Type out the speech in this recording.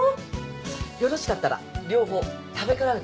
よろしかったら両方食べ比べてみませんか？